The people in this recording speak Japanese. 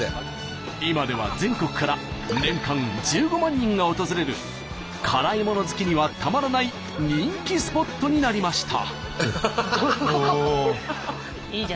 今では全国から年間１５万人が訪れる辛いもの好きにはたまらない人気スポットになりました。